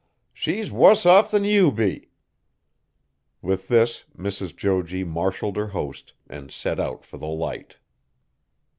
She's wuss off than you be!" With this, Mrs. Jo G. marshalled her host, and set out for the Light.